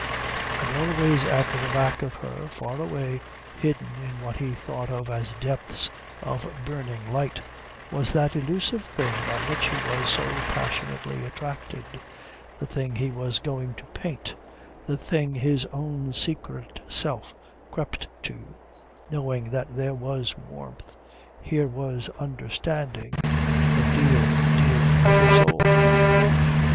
And always at the back of her, far away, hidden in what he thought of as depths of burning light, was that elusive thing by which he was so passionately attracted, the thing he was going to paint, the thing his own secret self crept to, knowing that here was warmth, here was understanding, her dear, dear little soul.